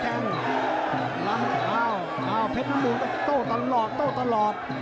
เอ้าเพชรน้ำบูรณ์โต้ตลอด